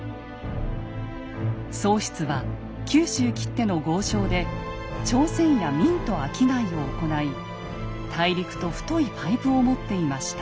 宗室は九州きっての豪商で朝鮮や明と商いを行い大陸と太いパイプを持っていました。